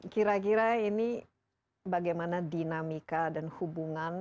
kira kira ini bagaimana dinamika dan hubungan